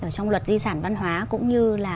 trong luật di sản văn hóa cũng như là